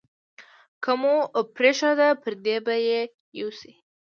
که مو پرېښوده، پردي به یې یوسي.